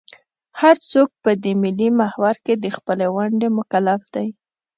هر څوک په دې ملي محور کې د خپلې ونډې مکلف دی.